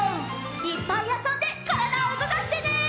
いっぱいあそんでからだをうごかしてね。